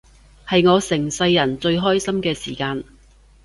係我成世人最開心嘅時間